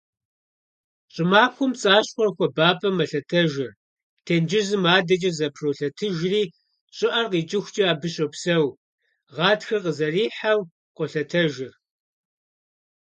Щӏымахуэм пцӏащхъуэхэр хуабапӏэм мэлъэтэжыр, тенджызым адэкӏэ зэпролъэтыжри щӏыӏэр икӏыхукӏэ абы щопсэу, гъатхэр къызэрихьэу, къолъэтэжыр.